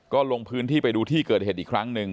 ก็ลงพื้นที่ไปดูที่เกิดเหตุอีกครั้งหนึ่ง